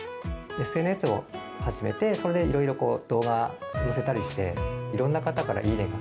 ＳＮＳを始めて、それでいろいろ動画載せたりして、いろんな方からいいねが。